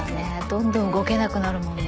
どんどん動けなくなるもんね。